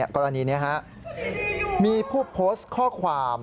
กรณีนี้มีผู้โพสต์ข้อความ